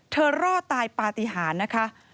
เธอรอดตายปาที่หานะคะ